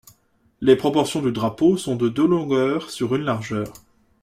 Les proportions du drapeau sont de deux longueurs sur une largeur.